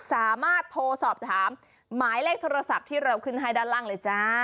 สามารถโทรสอบถามหมายเลขโทรศัพท์ที่เราขึ้นให้ด้านล่างเลยจ้า